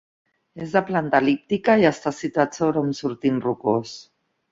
És de planta el·líptica i està situat sobre un sortint rocós.